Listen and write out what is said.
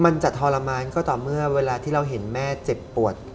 มันจะทรมานก็ต่อเมื่อเวลาที่เราเห็นแม่เจ็บปวด